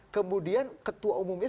kemudian ketua umumnya